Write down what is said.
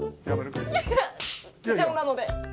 貴重なので。